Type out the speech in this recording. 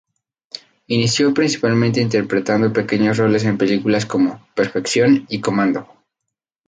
Inició principalmente interpretando pequeños roles en películas como "Perfección" y "Commando".